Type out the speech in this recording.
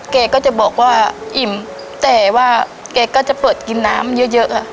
แกก็จะบอกว่าอิ่มแต่ว่าแกก็จะเปิดกินน้ำเยอะเยอะ